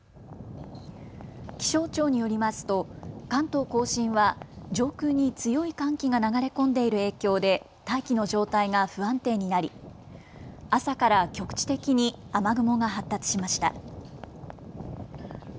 気象庁によりますと関東甲信は上空に強い寒気が流れ込んでいる影響で大気の状態が不安定になり朝から局地的に雨雲が発達しました。